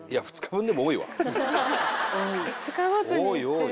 多い。